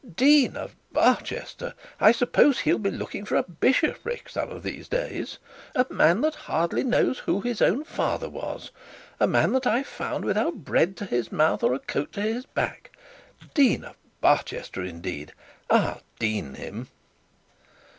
Dean of Barchester! I suppose he'll be looking for bishoprics some of these days a man that hardly knows who his father was; a man that I found without bread to his mouth, or a coat to his back. Dean of Barchester indeed! I'll dean him.'